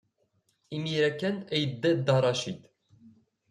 Imir-a kan ay yedda Dda Racid.